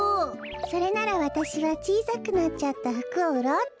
それならわたしはちいさくなっちゃったふくをうろうっと。